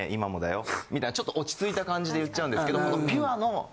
みたいにちょっと落ち着いた感じで言っちゃうんですけどピュアの。